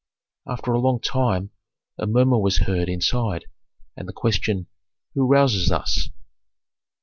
After a long time a murmur was heard inside, and the question, "Who rouses us?"